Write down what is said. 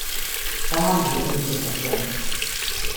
Da haben Sie Ihre Liebeserklärungen.